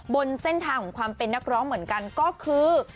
บนเส้นทางของความเป็นนักร้องเหมือนกันก็คือ